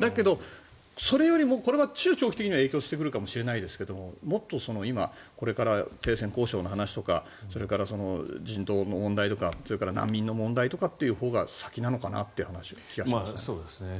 だけどそれよりこれは中長期的には影響してくるかもしれないですがもっとこれから停戦交渉の話とかそれから人道の問題とかそれから難民の問題とかのほうが先なのかなという気がします。